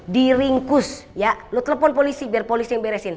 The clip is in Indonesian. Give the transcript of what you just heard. diringkus ya lu telepon polisi biar polisi yang beresin